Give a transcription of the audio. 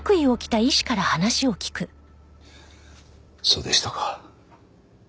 そうでしたか。